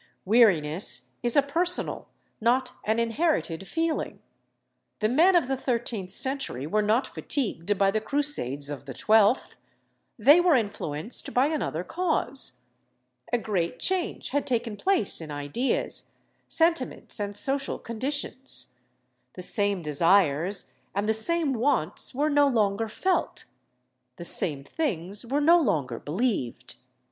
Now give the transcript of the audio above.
Weariness is a personal, not an inherited feeling. The men of the thirteenth century were not fatigued by the Crusades of the twelfth. They were influenced by another cause. A great change had taken place in ideas, sentiments, and social conditions. The same desires and the same wants were no longer felt. The same things were no longer believed.